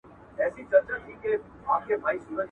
له خپل چاپیریال څخه ګټه واخلئ.